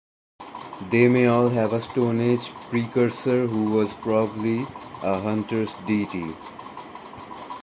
They may all have a Stone Age precursor who was probably a hunter's deity.